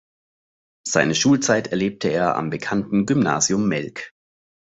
Seine Schulzeit erlebte er am bekannten Gymnasium Melk.